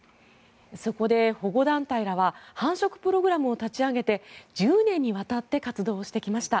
そこで、保護団体らが繁殖プログラムを立ち上げて１０年にわたって活動してきました。